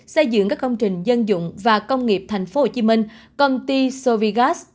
xây dựng các công trình dân dụng và công nghiệp tp hcm công ty sovigas